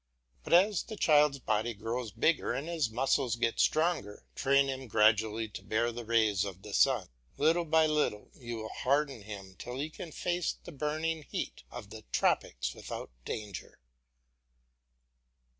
But as the child's body grows bigger and his muscles get stronger, train him gradually to bear the rays of the sun. Little by little you will harden him till he can face the burning heat of the tropics without danger.